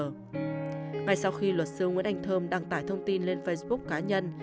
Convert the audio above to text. ngay sau khi luật sư nguyễn anh thơm đăng tải thông tin lên facebook cá nhân